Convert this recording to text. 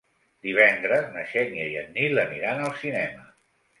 Divendres na Xènia i en Nil aniran al cinema.